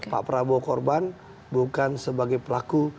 pak prabowo korban bukan sebagai pelaku